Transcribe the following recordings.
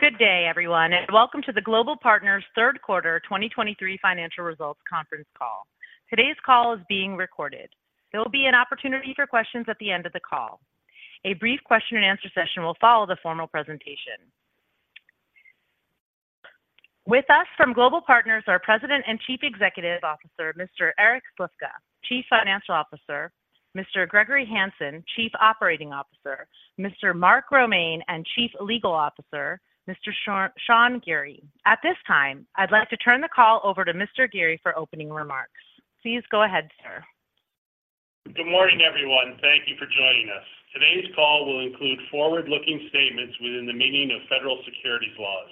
Good day, everyone, and welcome to the Global Partners third quarter 2023 financial results conference call. Today's call is being recorded. There will be an opportunity for questions at the end of the call. A brief question-and-answer session will follow the formal presentation. With us from Global Partners are President and Chief Executive Officer, Mr. Eric Slifka; Chief Financial Officer, Mr. Gregory Hanson; Chief Operating Officer, Mr. Mark Romaine; and Chief Legal Officer, Mr. Sean Geary. At this time, I'd like to turn the call over to Mr. Geary for opening remarks. Please go ahead, sir. Good morning, everyone. Thank you for joining us. Today's call will include forward-looking statements within the meaning of federal securities laws.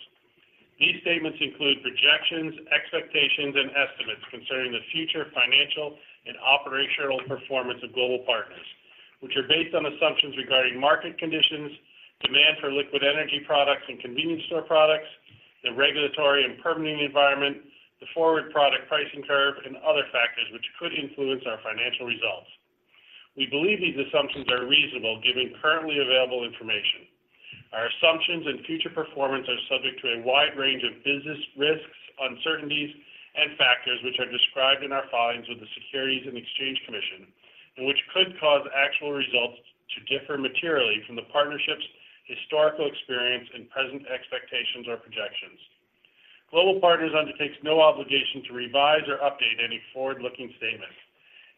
These statements include projections, expectations, and estimates concerning the future financial and operational performance of Global Partners, which are based on assumptions regarding market conditions, demand for liquid energy products and convenience store products, the regulatory and permitting environment, the forward product pricing curve, and other factors which could influence our financial results. We believe these assumptions are reasonable, given currently available information. Our assumptions and future performance are subject to a wide range of business risks, uncertainties, and factors which are described in our filings with the Securities and Exchange Commission and which could cause actual results to differ materially from the partnership's historical experience and present expectations or projections. Global Partners undertakes no obligation to revise or update any forward-looking statements.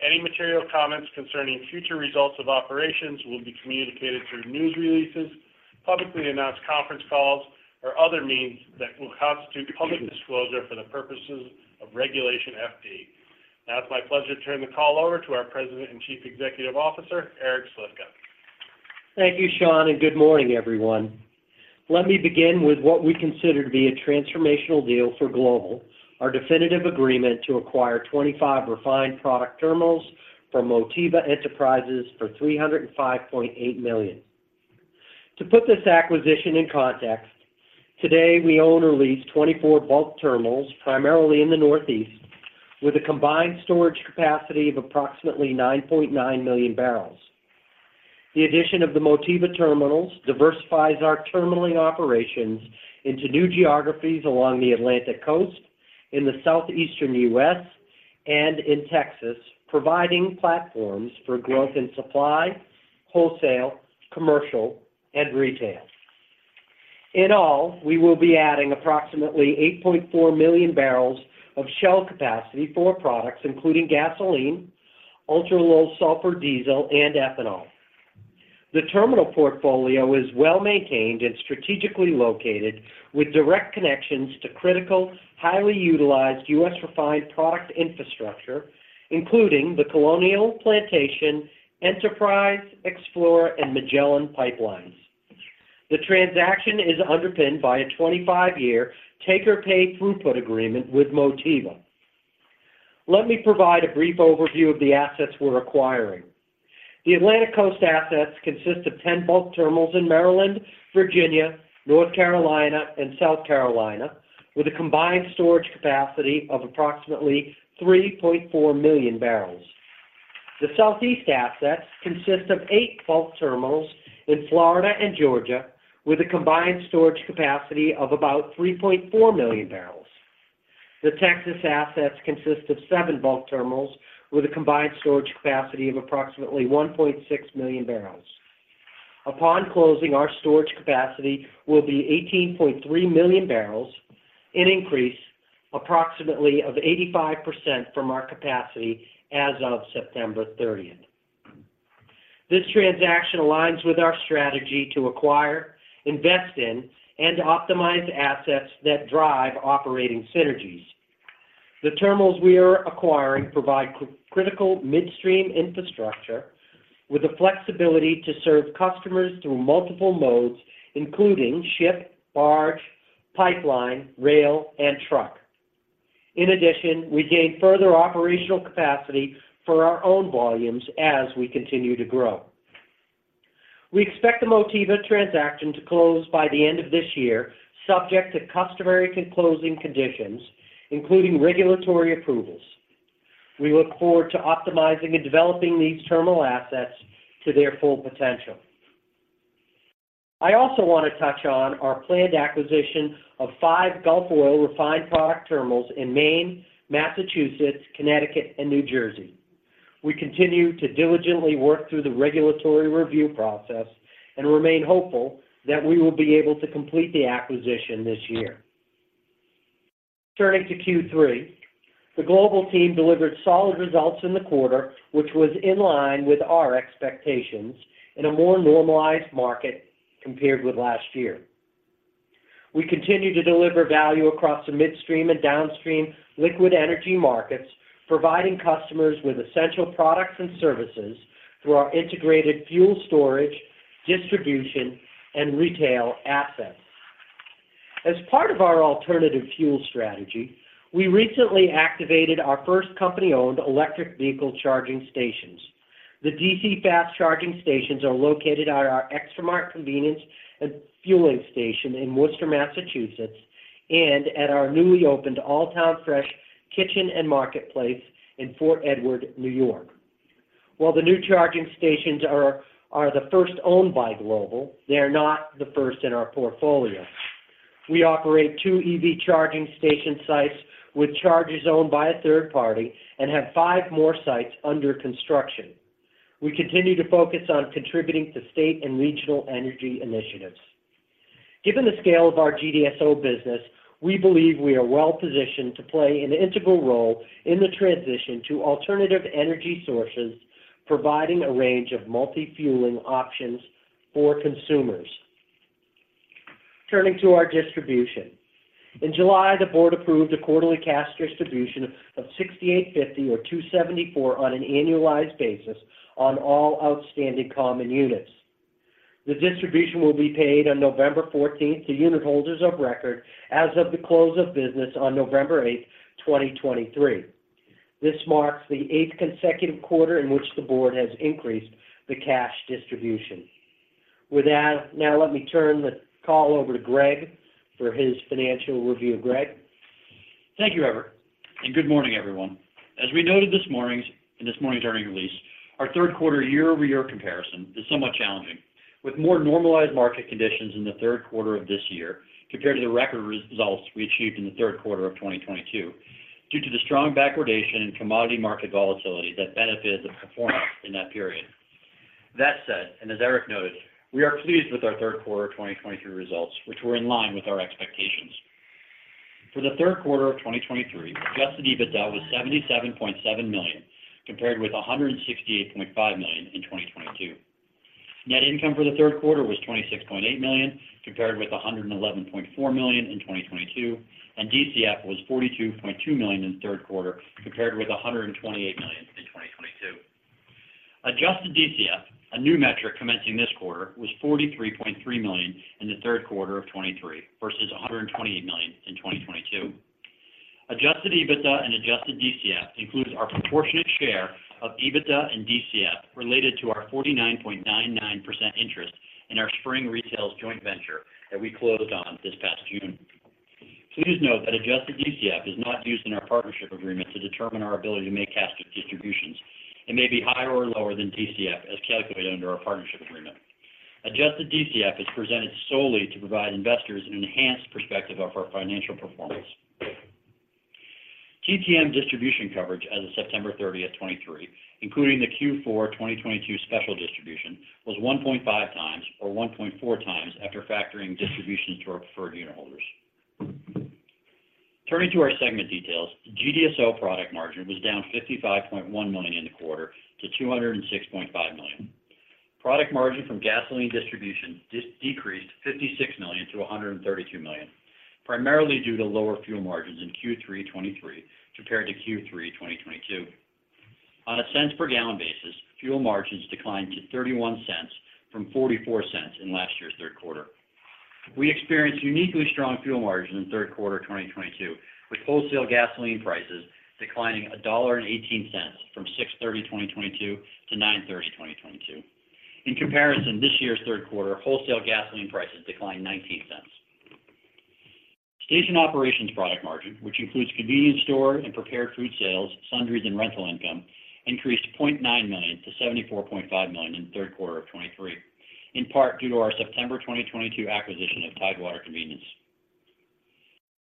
Any material comments concerning future results of operations will be communicated through news releases, publicly announced conference calls, or other means that will constitute public disclosure for the purposes of Regulation FD. Now, it's my pleasure to turn the call over to our President and Chief Executive Officer, Eric Slifka. Thank you, Sean, and good morning, everyone. Let me begin with what we consider to be a transformational deal for Global, our definitive agreement to acquire 25 refined product terminals from Motiva Enterprises for $305.8 million. To put this acquisition in context, today, we own or lease 24 bulk terminals, primarily in the Northeast, with a combined storage capacity of approximately 9.9 million barrels. The addition of the Motiva terminals diversifies our terminaling operations into new geographies along the Atlantic Coast, in the Southeastern U.S., and in Texas, providing platforms for growth in supply, wholesale, commercial, and retail. In all, we will be adding approximately 8.4 million barrels of shell capacity for products including gasoline, ultra-low sulfur diesel, and ethanol. The terminal portfolio is well-maintained and strategically located, with direct connections to critical, highly utilized U.S. refined product infrastructure, including the Colonial, Plantation, Enterprise, Explorer, and Magellan pipelines. The transaction is underpinned by a 25-year take-or-pay throughput agreement with Motiva. Let me provide a brief overview of the assets we're acquiring. The Atlantic Coast assets consist of 10 bulk terminals in Maryland, Virginia, North Carolina, and South Carolina, with a combined storage capacity of approximately 3.4 million barrels. The Southeast assets consist of 8 bulk terminals in Florida and Georgia, with a combined storage capacity of about 3.4 million barrels. The Texas assets consist of 7 bulk terminals with a combined storage capacity of approximately 1.6 million barrels. Upon closing, our storage capacity will be 18.3 million barrels, an increase approximately of 85% from our capacity as of September thirtieth. This transaction aligns with our strategy to acquire, invest in, and optimize assets that drive operating synergies. The terminals we are acquiring provide critical midstream infrastructure with the flexibility to serve customers through multiple modes, including ship, barge, pipeline, rail, and truck. In addition, we gain further operational capacity for our own volumes as we continue to grow. We expect the Motiva transaction to close by the end of this year, subject to customary closing conditions, including regulatory approvals. We look forward to optimizing and developing these terminal assets to their full potential. I also want to touch on our planned acquisition of five Gulf Oil refined product terminals in Maine, Massachusetts, Connecticut, and New Jersey. We continue to diligently work through the regulatory review process and remain hopeful that we will be able to complete the acquisition this year. Turning to Q3, the Global team delivered solid results in the quarter, which was in line with our expectations in a more normalized market compared with last year. We continue to deliver value across the midstream and downstream liquid energy markets, providing customers with essential products and services through our integrated fuel storage, distribution, and retail assets. As part of our alternative fuel strategy, we recently activated our first company-owned electric vehicle charging stations. The DC fast charging stations are located at our Xtramart convenience and fueling station in Worcester, Massachusetts, and at our newly opened Alltown Fresh kitchen and marketplace in Fort Edward, New York. While the new charging stations are the first owned by Global, they are not the first in our portfolio. We operate two EV charging station sites with chargers owned by a third party and have five more sites under construction. We continue to focus on contributing to state and regional energy initiatives. Given the scale of our GDSO business, we believe we are well positioned to play an integral role in the transition to alternative energy sources, providing a range of multi-fueling options for consumers. Turning to our distribution. In July, the board approved a quarterly cash distribution of $0.6850 or $2.74 on an annualized basis on all outstanding common units. The distribution will be paid on November 14 to unit holders of record as of the close of business on November 8, 2023. This marks the eighth consecutive quarter in which the board has increased the cash distribution. With that, now let me turn the call over to Greg for his financial review. Greg? Thank you, Eric, and good morning, everyone. As we noted this morning in this morning's earnings release, our third quarter year-over-year comparison is somewhat challenging, with more normalized market conditions in the third quarter of this year compared to the record results we achieved in the Third Quarter of 2022, due to the strong backwardation and commodity market volatility that benefited the performance in that period. That said, and as Eric noted, we are pleased with our third quarter of 2023 results, which were in line with our expectations. For the Third Quarter of 2023, Adjusted EBITDA was $77.7 million, compared with $168.5 million in 2022. Net income for the third quarter was $26.8 million, compared with $111.4 million in 2022, and DCF was $42.2 million in the third quarter, compared with $128 million in 2022. Adjusted DCF, a new metric commencing this quarter, was $43.3 million in the third quarter of 2023 versus $128 million in 2022. Adjusted EBITDA and adjusted DCF includes our proportionate share of EBITDA and DCF related to our 49.99% interest in our Spring Partners Retail joint venture that we closed on this past June. Please note that adjusted DCF is not used in our partnership agreement to determine our ability to make cash distributions. It may be higher or lower than DCF, as calculated under our partnership agreement. Adjusted DCF is presented solely to provide investors an enhanced perspective of our financial performance. TTM distribution coverage as of September 30, 2023, including the Q4 2022 special distribution, was 1.5 times or 1.4 times after factoring distributions to our preferred unit holders. Turning to our segment details, GDSO product margin was down $55.1 million in the quarter to $206.5 million. Product margin from gasoline distribution decreased $56 million to $132 million, primarily due to lower fuel margins in Q3 2023 compared to Q3 2022. On a cents per gallon basis, fuel margins declined to $0.31 from $0.44 in last year's third quarter. We experienced uniquely strong fuel margins in third quarter of 2022, with wholesale gasoline prices declining $1.18 from 6/30/2022 to 9/30/2022. In comparison, this year's third quarter wholesale gasoline prices declined $0.19. Station operations product margin, which includes convenience store and prepared food sales, sundries, and rental income, increased to $0.9 million-$74.5 million in the third quarter of 2023, in part due to our September 2022 acquisition of Tidewater Convenience.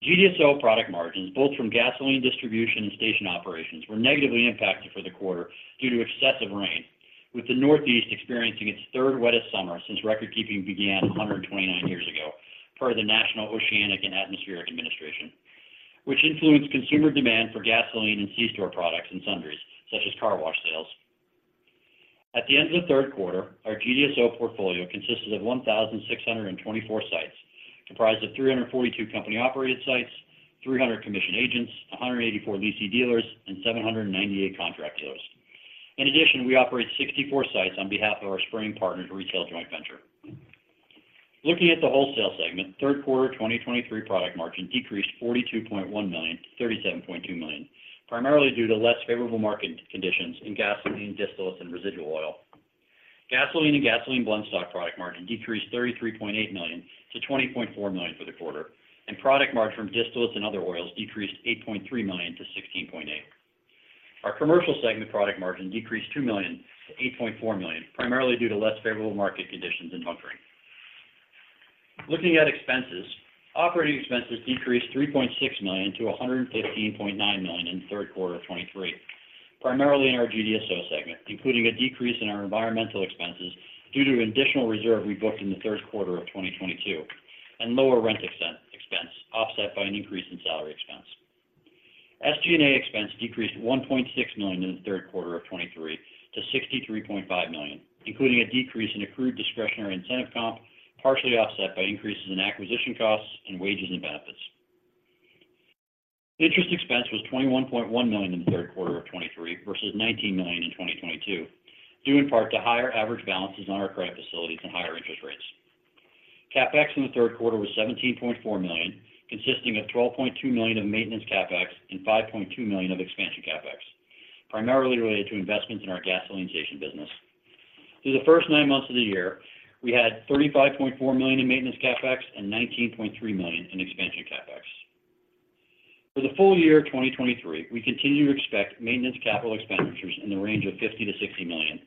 GDSO product margins, both from gasoline distribution and station operations, were negatively impacted for the quarter due to excessive rain, with the Northeast experiencing its third wettest summer since record-keeping began 129 years ago, per the National Oceanic and Atmospheric Administration, which includes consumer demand for gasoline and C-store products and sundries, such as car wash sales. At the end of the third quarter, our GDSO portfolio consisted of 1,624 sites, comprised of 342 company-operated sites, 300 commissioned agents, 184 leased dealers, and 798 contract dealers. In addition, we operate 64 sites on behalf of our Spring Partners Retail Joint Venture. Looking at the wholesale segment, third quarter of 2023 product margin decreased $42.1 million to $37.2 million, primarily due to less favorable market conditions in gasoline, distillates, and residual oil. Gasoline and gasoline blend stock product margin decreased $33.8 million to $20.4 million for the quarter, and product margin from distillates and other oils decreased $8.3 million to $16.8 million. Our commercial segment product margin decreased $2 million to $8.4 million, primarily due to less favorable market conditions in bunkering. Looking at expenses, operating expenses decreased $3.6 million to $115.9 million in the third quarter of 2023, primarily in our GDSO segment, including a decrease in our environmental expenses due to an additional reserve we booked in the third quarter of 2022, and lower rent expense, offset by an increase in salary expense. SG&A expense decreased $1.6 million in the third quarter of 2023 to $63.5 million, including a decrease in accrued discretionary incentive comp, partially offset by increases in acquisition costs and wages and benefits. Interest expense was $21.1 million in the Third Quarter of 2023 versus $19 million in 2022, due in part to higher average balances on our credit facilities and higher interest rates. CapEx in the third quarter was $17.4 million, consisting of $12.2 million of maintenance CapEx and $5.2 million of expansion CapEx, primarily related to investments in our gasoline station business. Through the first nine months of the year, we had $35.4 million in maintenance CapEx and $19.3 million in expansion CapEx. For the full year of 2023, we continue to expect maintenance capital expenditures in the range of $50 million-$60 million.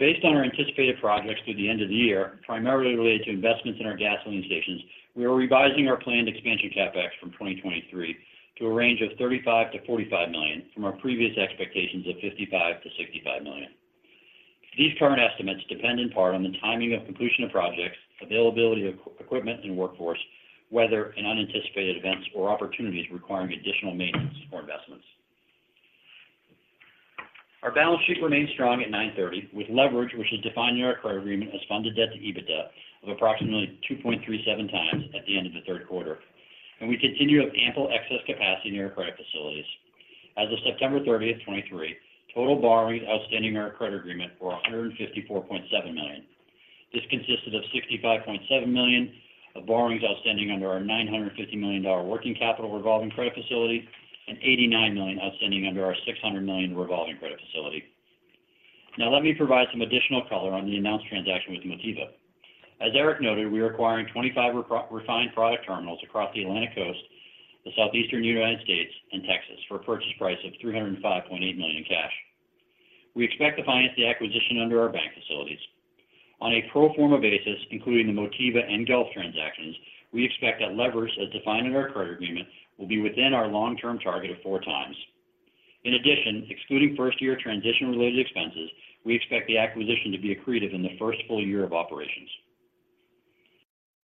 Based on our anticipated projects through the end of the year, primarily related to investments in our gasoline stations, we are revising our planned expansion CapEx from 2023 to a range of $35 million-$45 million, from our previous expectations of $55 million-$65 million. These current estimates depend in part on the timing of completion of projects, availability of equipment and workforce, weather, and unanticipated events or opportunities requiring additional maintenance or investments. Our balance sheet remains strong at 9/30, with leverage, which is defined in our credit agreement as funded debt to EBITDA, of approximately 2.37 times at the end of the third quarter, and we continue to have ample excess capacity in our credit facilities. As of September 30, 2023, total borrowings outstanding in our credit agreement were $154.7 million. This consisted of $65.7 million of borrowings outstanding under our $950 million working capital revolving credit facility, and $89 million outstanding under our $600 million revolving credit facility. Now, let me provide some additional color on the announced transaction with Motiva. As Eric noted, we are acquiring 25 refined product terminals across the Atlantic Coast, the Southeastern United States, and Texas, for a purchase price of $305.8 million in cash. We expect to finance the acquisition under our bank facilities. On a pro forma basis, including the Motiva and Gulf transactions, we expect that leverage, as defined in our credit agreement, will be within our long-term target of 4x. In addition, excluding first-year transition-related expenses, we expect the acquisition to be accretive in the first full year of operations.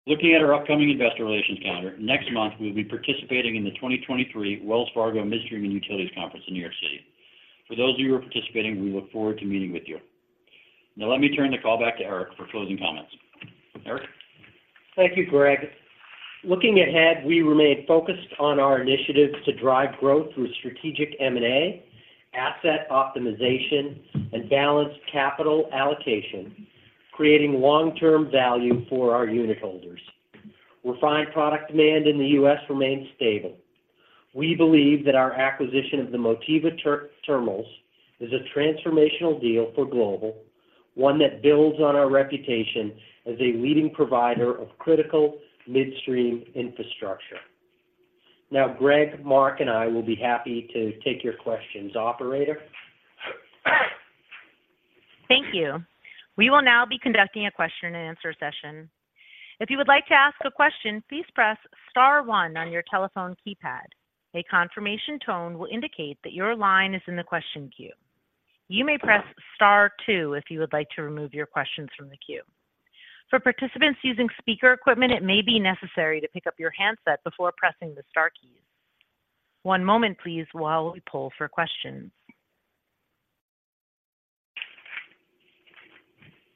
Looking at our upcoming investor relations calendar, next month, we will be participating in the 2023 Wells Fargo Midstream and Utilities Conference in New York City. For those of you who are participating, we look forward to meeting with you. Now, let me turn the call back to Eric for closing comments. Eric? Thank you, Greg. Looking ahead, we remain focused on our initiatives to drive growth through strategic M&A, asset optimization, and balanced capital allocation, creating long-term value for our unitholders. Refined product demand in the US remains stable. We believe that our acquisition of the Motiva Terminals is a transformational deal for Global, one that builds on our reputation as a leading provider of critical midstream infrastructure. Now, Greg, Mark, and I will be happy to take your questions. Operator? Thank you. We will now be conducting a question and answer session. If you would like to ask a question, please press star one on your telephone keypad. A confirmation tone will indicate that your line is in the question queue. You may press star two if you would like to remove your questions from the queue. For participants using speaker equipment, it may be necessary to pick up your handset before pressing the star keys. One moment, please, while we poll for questions.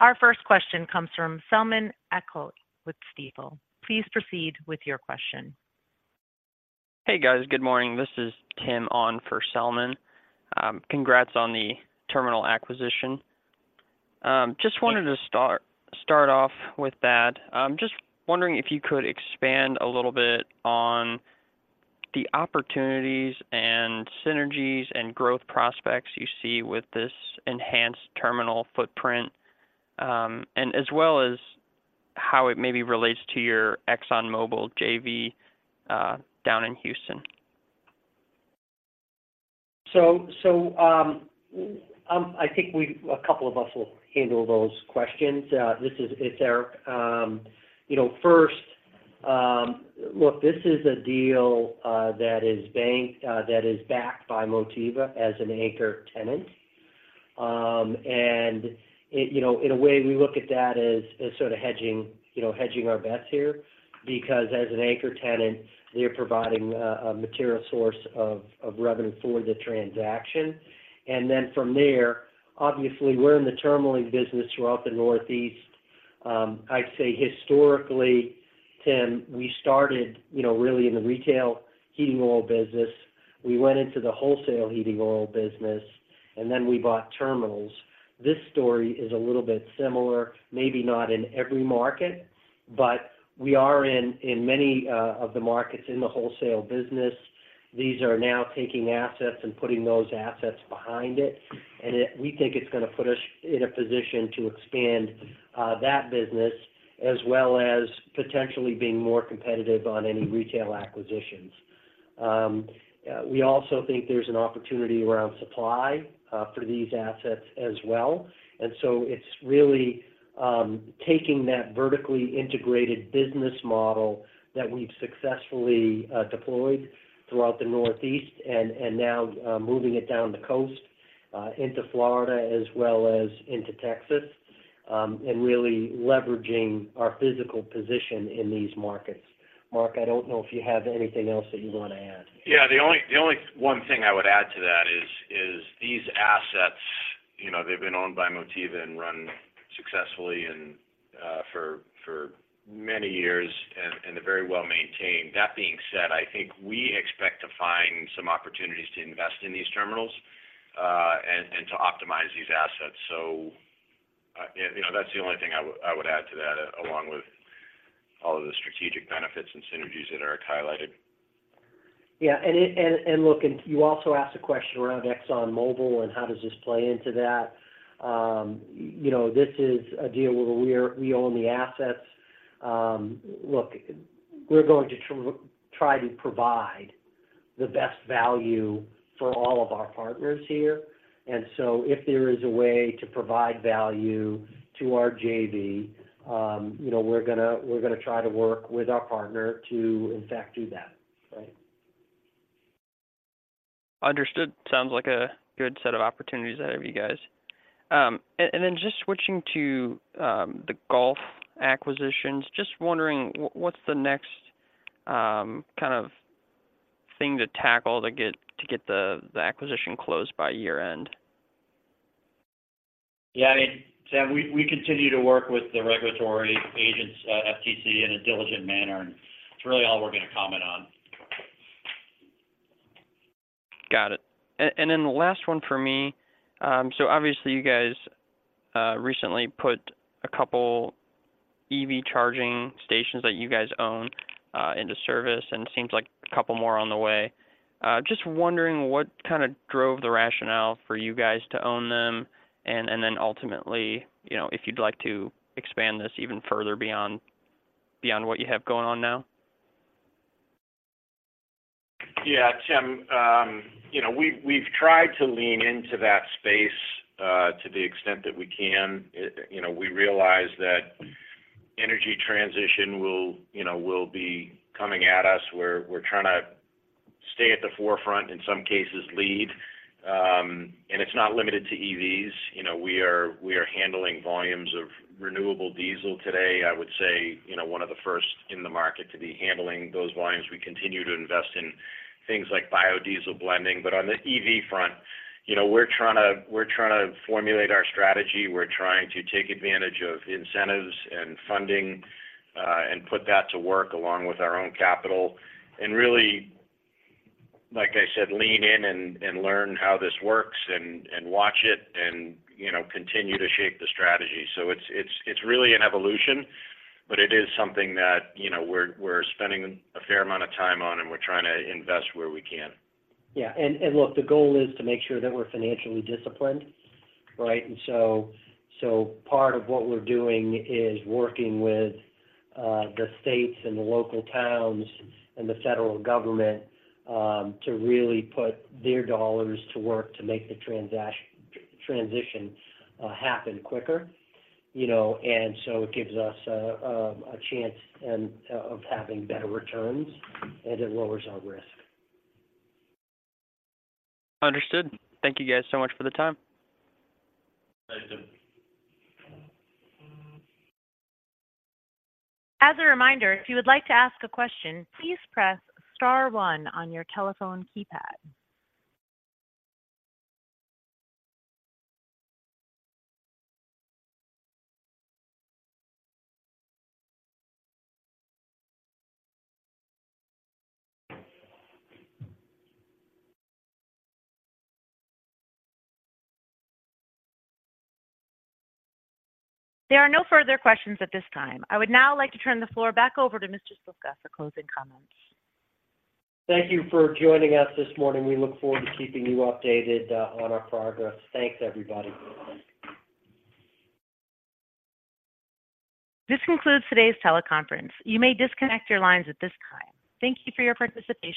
Our first question comes from Selman Akyol with Stifel. Please proceed with your question. Hey, guys. Good morning. This is Tim on for Selman. Congrats on the terminal acquisition. Just wanted to start off with that. Just wondering if you could expand a little bit on the opportunities and synergies and growth prospects you see with this enhanced terminal footprint, and as well as how it maybe relates to your ExxonMobil JV, down in Houston. I think we, a couple of us will handle those questions. This is, it's Eric. You know, first, look, this is a deal that is banked that is backed by Motiva as an anchor tenant. It, you know, in a way, we look at that as sort of hedging, you know, hedging our bets here, because as an anchor tenant, they're providing a material source of revenue for the transaction. Then from there, obviously, we're in the terminaling business throughout the Northeast. I'd say historically, Tim, we started, you know, really in the retail heating oil business. We went into the wholesale heating oil business, and then we bought terminals. This story is a little bit similar, maybe not in every market, but we are in many of the markets in the wholesale business. These are now taking assets and putting those assets behind it, and it, we think it's gonna put us in a position to expand that business, as well as potentially being more competitive on any retail acquisitions. We also think there's an opportunity around supply for these assets as well. It's really taking that vertically integrated business model that we've successfully deployed throughout the Northeast and now moving it down the coast into Florida as well as into Texas, and really leveraging our physical position in these markets. Mark, I don't know if you have anything else that you want to add. Yeah, the only one thing I would add to that is these assets, you know, they've been owned by Motiva and run successfully and for many years, and they're very well-maintained. That being said, I think we expect to find some opportunities to invest in these terminals and to optimize these assets. That's the only thing I would add to that, along with all of the strategic benefits and synergies that Eric highlighted. Yeah, look, and you also asked a question around ExxonMobil and how does this play into that? You know, this is a deal where we own the assets. Look, we're going to try to provide the best value for all of our partners here. If there is a way to provide value to our JV, you know, we're gonna try to work with our partner to, in fact, do that, right? Understood. Sounds like a good set of opportunities ahead of you guys. Then just switching to the Gulf acquisitions, just wondering, what's the next kind of thing to tackle to get the acquisition closed by year-end? Yeah, I mean, Tim, we continue to work with the regulatory agents, FTC, in a diligent manner, and it's really all we're gonna comment on. Got it. Then the last one for me, so obviously, you guys recently put a couple EV charging stations that you guys own into service, and it seems like a couple more on the way. Just wondering what kind of drove the rationale for you guys to own them, and, and then ultimately, you know, if you'd like to expand this even further beyond, beyond what you have going on now? Yeah, Tim, you know, we've tried to lean into that space, to the extent that we can. You know, we realize that energy transition will, you know, will be coming at us. We're trying to stay at the forefront, in some cases, lead. It's not limited to EVs. You know, we are handling volumes of renewable diesel today. I would say, you know, one of the first in the market to be handling those volumes. We continue to invest in things like biodiesel blending, but on the EV front, you know, we're trying to formulate our strategy. We're trying to take advantage of incentives and funding, and put that to work along with our own capital, and really, like I said, lean in and learn how this works and watch it and, you know, continue to shape the strategy. It's really an evolution, but it is something that, you know, we're spending a fair amount of time on, and we're trying to invest where we can. Yeah. Look, the goal is to make sure that we're financially disciplined, right? Part of what we're doing is working with the states and the local towns and the federal government to really put their dollars to work to make the transition happen quicker. You know, so it gives us a chance of having better returns, and it lowers our risk. Understood. Thank you guys so much for the time. Thank you. As a reminder, if you would like to ask a question, please press star one on your telephone keypad. There are no further questions at this time. I would now like to turn the floor back over to Mr. Slifka for closing comments. Thank you for joining us this morning. We look forward to keeping you updated on our progress. Thanks, everybody. This concludes today's teleconference. You may disconnect your lines at this time. Thank you for your participation.